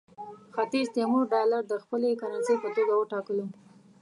ختیځ تیمور ډالر د خپلې کرنسۍ په توګه وټاکلو.